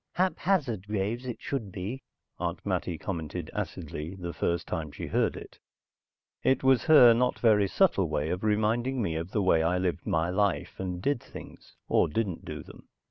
"Haphazard Graves, it should be," Aunt Mattie commented acidly the first time she heard it. It was her not very subtle way of reminding me of the way I lived my life and did things, or didn't do them.